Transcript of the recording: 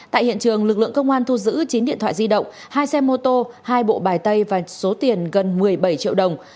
tại hiện trường lực lượng công an thu giữ chín điện thoại di động hai xe mô tô hai bộ bài tay và số tiền gần một mươi bảy triệu đồng